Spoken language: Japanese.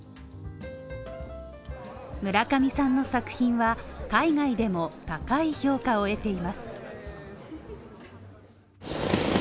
村上さんの作品は海外でも高い評価を得ています。